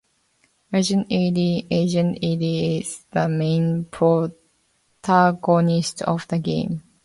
Agent Ed: Agent Ed is the main protagonist of the game.